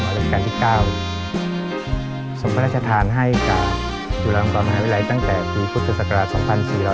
มหาวิทยาลัยจุลาลงกรมหาวิทยาลัยตั้งแต่ปีพุทธศักราช๒๔๙๒